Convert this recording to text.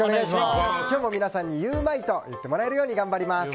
今日も皆さんにゆウマいと言ってもらえるように頑張ります。